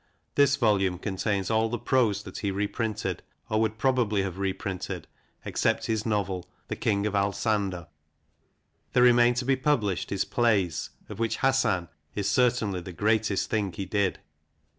This volume contains all the Prose that he reprinted, or would probably have reprinted, except his novel " The King of Alsander." There remain to be pub lished his Plays, of which " Hassan " is certainly the greatest thing he did.